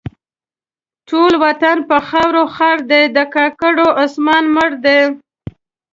ټول وطن په خاورو خړ دی؛ د کاکړو عثمان مړ دی.